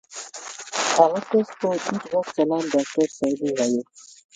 هغه کس په ټيټ غږ سلام ډاکټر صاحب ووايه.